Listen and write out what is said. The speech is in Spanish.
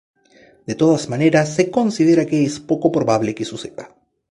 De todas maneras, se considera que es poco probable que suceda.